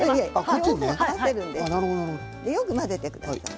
よく混ぜてください。